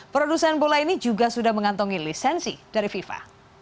produsen bola ini juga sudah mengantongi lisensi dari fifa